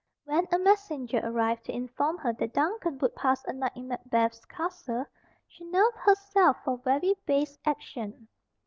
When a messenger arrived to inform her that Duncan would pass a night in Macbeth's castle, she nerved herself for a very base action.